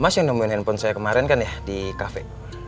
mas yang nemuin handphone saya kemarin kan ya di kafe